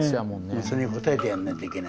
それに応えてやらないといけないね。